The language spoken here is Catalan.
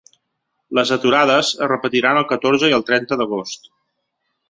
Les aturades es repetiran el catorze i el trenta d’agost.